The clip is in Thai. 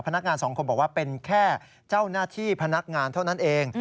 พนักงานสองคนบอกว่าเป็นแค่เจ้าหน้าที่พนักงานเท่านั้นเอง